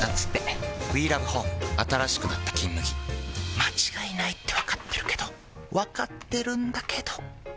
まちがいないってわかっているけどわかっているんだけどん！